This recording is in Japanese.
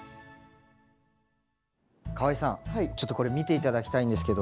かわいさんちょっとこれ見て頂きたいんですけど。